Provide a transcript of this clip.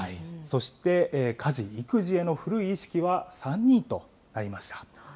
そして、家事・育児への古い意識は３人となりました。